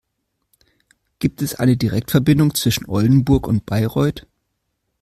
Gibt es eine Direktverbindung zwischen Oldenburg und Bayreuth?